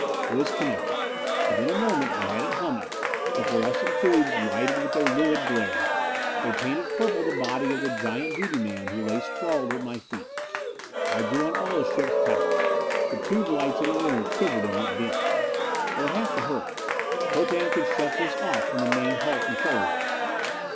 It was connected. Within a moment I had it humming. The fluorescent tubes lighted with their lurid glare; they painted purple the body of the giant duty man who lay sprawled at my feet. I drew on all the ship's power. The tube lights in the room quivered and went dim. I would have to hurry. Potan could shut this off from the main hull control room.